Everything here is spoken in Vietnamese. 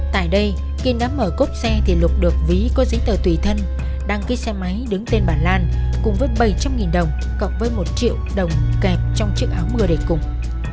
tại đây kiên đã mở cốp xe thì lục được ví có giấy tờ tùy thân đăng ký xe máy đứng tên bà lan cùng với bảy trăm linh đồng cộng với một triệu đồng kẹp trong chiếc áo mưa để cùng